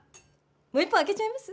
もう一本開けちゃいます？